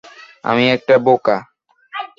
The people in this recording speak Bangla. আমি একটা বোকা।